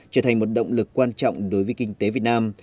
trở thành một động lực quan trọng đối với kinh tế việt nam